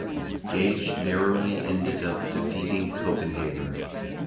Gage ended up narrowly defeating Copenhaver.